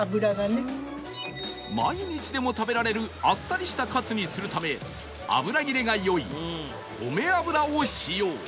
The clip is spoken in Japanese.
毎日でも食べられるあっさりしたかつにするため油切れが良い米油を使用